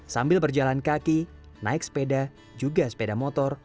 sambil berjalan kaki naik sepeda juga sepeda motor